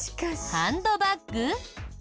ハンドバッグだろ。